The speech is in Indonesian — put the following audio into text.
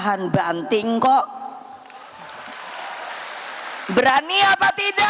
nanti katanya saya bumega provokator ya saya sekarang provokator demi keadilan